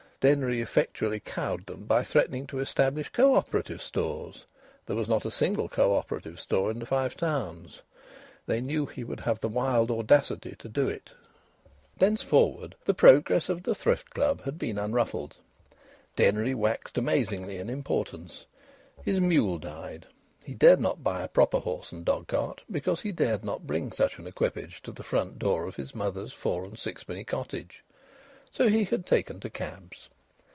Denry effectually cowed them by threatening to establish co operative stores there was not a single co operative store in the Five Towns. They knew he would have the wild audacity to do it. Thenceforward the progress of the Thrift Club had been unruffled. Denry waxed amazingly in importance. His mule died. He dared not buy a proper horse and dogcart, because he dared not bring such an equipage to the front door of his mother's four and sixpenny cottage. So he had taken to cabs.